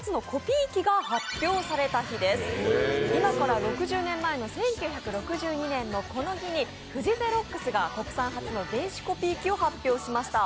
今から６０年前の１９６２年のこの日に富士ゼロックスが国産初の電子コピー機を発売しました。